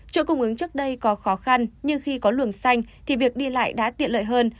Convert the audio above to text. chỗ cung ứng trước đây có khó khăn nhưng khi có luồng xanh thì việc đi lại đã tiện lợi hơn